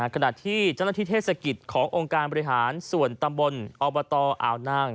บริษัทที่เจ้าละทีเทศกิตขององค์การบริหารส่วณตำบลออบอตออาวนาง